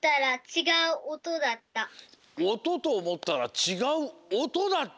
「おととおもったらちがうおとだった」。